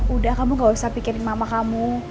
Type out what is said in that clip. udah kamu gak usah pikirin mama kamu